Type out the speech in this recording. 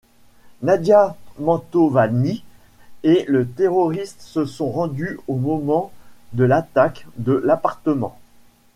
Nadia Mantovani et le terroriste se sont rendus au moment de l'attaque de l'appartement.